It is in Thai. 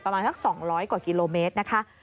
ประมาณสัก๒๐๐กว่ากิโลเมตรนะคะ